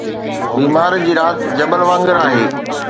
بيمار جي رات جبل وانگر آهي